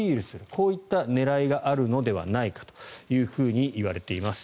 こういった狙いがあるのではないかといわれています。